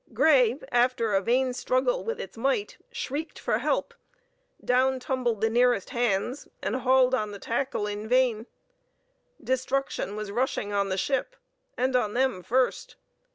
Grey, after a vain struggle with its might, shrieked for help; down tumbled the nearest hands, and hauled on the tackle in vain. Destruction was rushing on the ship, and on them first.